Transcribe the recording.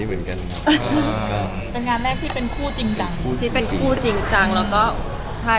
เมื่อกี้เราก็ซ้อมกัน